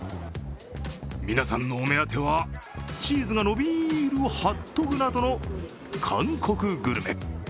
皆さんのお目当てはチーズが伸びるハットグなどの韓国グルメ。